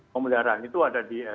pemeliharaan itu ada di